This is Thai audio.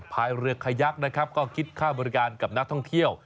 พายเรือขยักนะครับก็คิดค่าบริการกับนักท่องเที่ยว